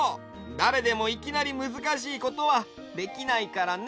だれでもいきなりむずかしいことはできないからね！